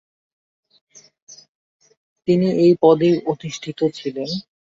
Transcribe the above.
তিনি এই পদেই অধিষ্ঠিত ছিলেন।